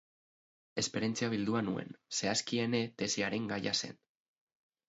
Esperientzia bildua nuen, zehazki ene tesiaren gaia zen.